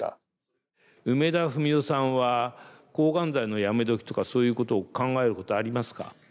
梅田史世さんは抗がん剤のやめどきとかそういうことを考えることありますか？